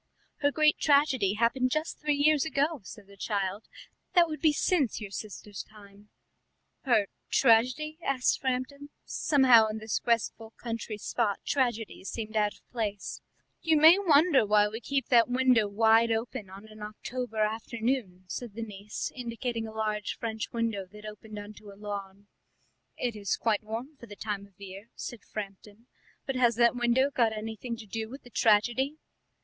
"Her great tragedy happened just three years ago," said the child; "that would be since your sister's time." "Her tragedy?" asked Framton; somehow in this restful country spot tragedies seemed out of place. "You may wonder why we keep that window wide open on an October afternoon," said the niece, indicating a large French window that opened on to a lawn. "It is quite warm for the time of the year," said Framton; "but has that window got anything to do with the tragedy?"